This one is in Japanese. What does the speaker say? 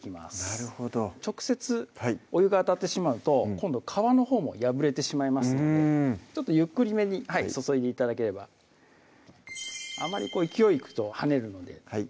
なるほど直接お湯が当たってしまうと今度皮のほうも破れてしまいますのでちょっとゆっくりめに注いで頂ければあまり勢いいくと跳ねるのではい